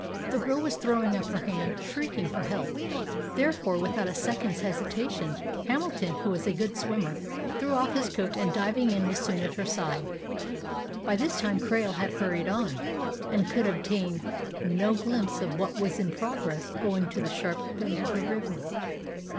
The girl was throwing up her hand, shrieking for help; therefore, without a second's hesitation, Hamilton, who was a good swimmer, threw off his coat, and, diving in, was soon at her side. By this time Krail had hurried on, and could obtain no glimpse of what was in progress owing to the sharp bend of the river.